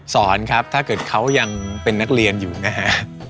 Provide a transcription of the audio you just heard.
สอนครับถ้าเกิดเขายังเป็นนักเรียนอยู่นะฮะ